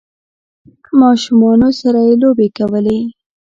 ماشومانو سره یی لوبې کولې